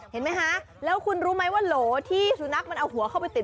เห็นไหมคะแล้วคุณรู้ไหมว่าโหลที่สุนัขมันเอาหัวเข้าไปติด